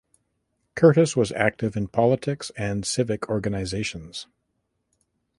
Curtis was active in politics and civic organizations.